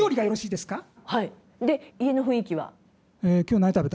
で家の雰囲気は？